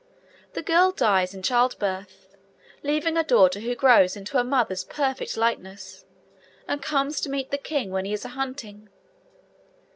The girl dies in childbirth, leaving a daughter who grows into her mother's perfect likeness, and comes to meet the king when he is hunting.